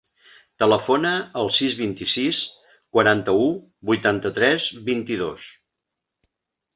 Telefona al sis, vint-i-sis, quaranta-u, vuitanta-tres, vint-i-dos.